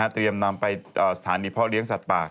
เตรียมนำไปอนสถานีพ่อเลี้ยงสัตว์ปราก